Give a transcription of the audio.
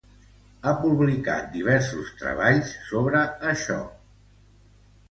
Ha publicat diversos treballs sobre això.